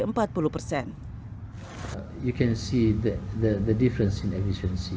anda bisa melihat perbedaan di efisiensi